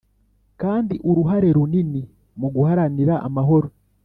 kandi uruhare runini mu guharanira amahoro